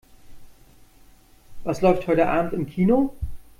Was läuft heute Abend im Kino?